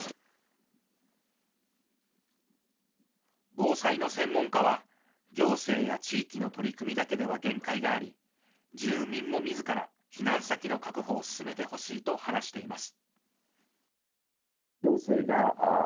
防災の専門家は、行政や地域の取り組みだけでは限界があり、住民も自ら避難先の確保を進めてほしいと話しています。